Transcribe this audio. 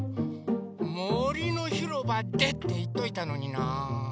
もりのひろばでっていっといたのにな。